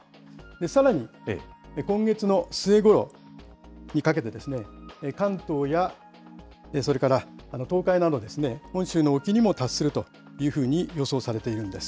さらに、今月の末ごろにかけて、関東やそれから東海など、本州の沖にも達するというふうに予想されているんです。